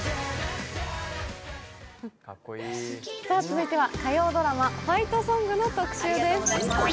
続いては火曜ドラマ「ファイトソング」の特集です。